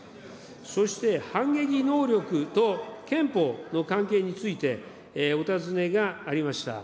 そして反撃能力と憲法の関係についてお尋ねがありました。